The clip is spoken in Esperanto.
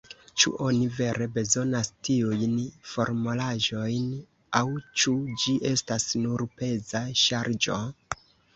Ĉu oni vere bezonas tiujn formalaĵojn, aŭ ĉu ĝi estas nur peza ŝarĝo?